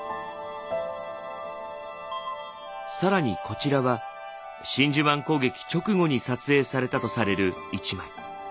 更にこちらは真珠湾攻撃直後に撮影されたとされる一枚。